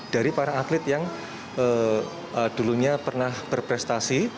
dari para atlet yang dulunya pernah berprestasi